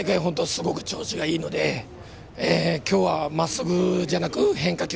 すごく調子がいいので今日はまっすぐじゃなく変化球